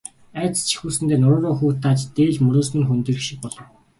Айдас жихүүдсэндээ нуруу руу хүйт дааж, дээл мөрөөс минь хөндийрөх шиг болов.